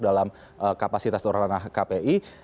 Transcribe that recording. dalam kapasitas atau ranah kpi